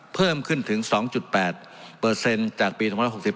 เพิ่มขึ้นถึง๒๘จากปี๒๖๔